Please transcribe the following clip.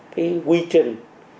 cái quy trình